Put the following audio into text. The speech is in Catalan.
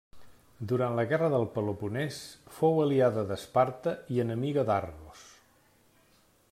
Durant la guerra del Peloponès fou aliada d'Esparta i enemiga d'Argos.